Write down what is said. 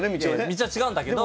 道は違うんだけど。